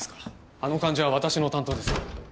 あの患者は私の担当ですよ